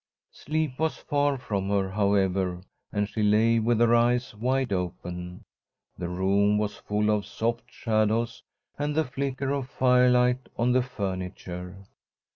Sleep was far from her, however, and she lay with her eyes wide open. The room was full of soft shadows and the flicker of firelight on the furniture.